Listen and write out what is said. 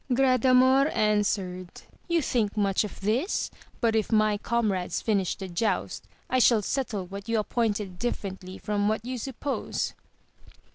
Gradamor answered, You think much of this] but if my comrades finish the joust, I shall settle what you appointed differently from what you suppose